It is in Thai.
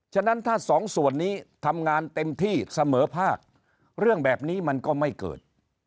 ฉะนั้นถ้าสองส่วนนี้ทำงานเต็มที่เสมอภาคเรื่องแบบนี้มันก็ไม่เกิด